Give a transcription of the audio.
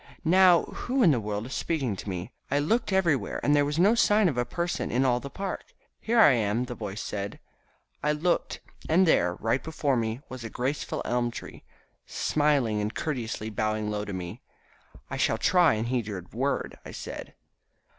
Now who in the world is speaking to me? I looked everywhere and there was not the sign of a person in all the park. "Here I am," the voice said. I looked and there, right before me, was a graceful elm tree, smiling and courteously bowing low to me. "I shall try and heed your word," I said.